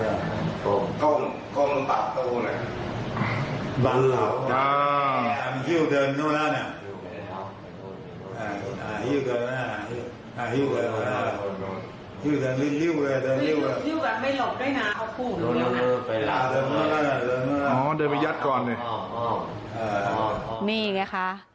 ยิบแบบไม่หลบด้วยน้ำเขากลุ่มดูแล้วค่ะอ๋อเดินไปยัดก่อนเลยอ๋อนี่ไงค่ะ